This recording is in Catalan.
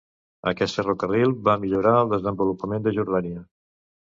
Aquest ferrocarril va millorar el desenvolupament de Jordània.